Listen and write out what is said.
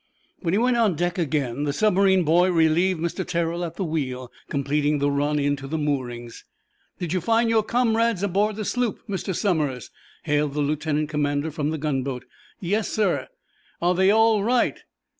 When he went on deck again the submarine boy relieved Mr. Terrell at the wheel, completing the run in to moorings. "Did you find your comrades aboard the sloop, Mr. Somers?" hailed the lieutenant commander, from the gunboat. "Yes, sir." "Are they all right?"